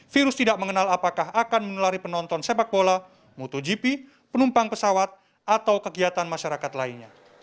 virus tidak mengenal apakah akan menelari penonton sepak bola motogp penumpang pesawat atau kegiatan masyarakat lainnya